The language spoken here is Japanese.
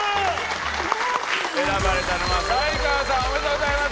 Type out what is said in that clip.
選ばれたのは才川さん。おめでとうございます！